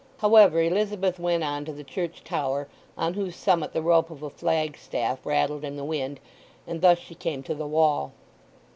However, Elizabeth went on to the church tower, on whose summit the rope of a flagstaff rattled in the wind; and thus she came to the wall.